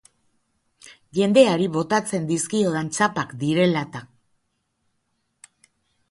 Jendeari botatzen dizkiodan txapak direla-eta.